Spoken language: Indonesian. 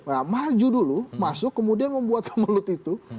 nah maju dulu masuk kemudian membuat mulut itu